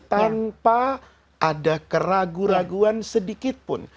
tanpa ada keraguan sedikitpun